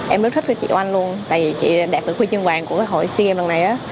em rất thích chị oanh luôn tại vì chị đạt được huy chương vàng của hội sea games lần này